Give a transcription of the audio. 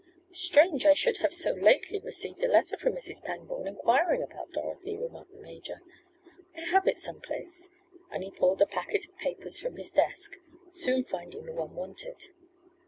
"Strange I should have so lately received a letter from Mrs. Pangborn inquiring about Dorothy," remarked the major. "I have it some place," and he pulled a packet of papers from his desk, soon finding the one wanted.